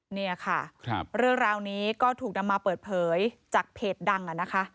เนี่ยค่ะเรื่องราวนี้ก็ถูกนำมาเปิดเผยจากเพจดังนะคะ